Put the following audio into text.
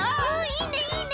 いいねいいね！